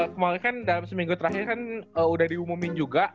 kemarin kan dalam seminggu terakhir kan udah diumumin juga